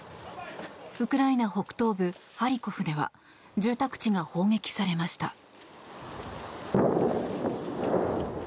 ウクライナ北東部ハリコフでは住宅地が砲撃されました。